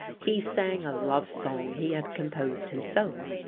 He sang a love song he had composed himself.